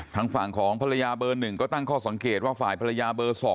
ทางฝั่งของภรรยาเบอร์๑ก็ตั้งข้อสังเกตว่าฝ่ายภรรยาเบอร์๒